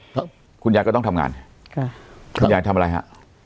ครับคุณยายก็ต้องทำงานค่ะคุณยายทำอะไรฮะ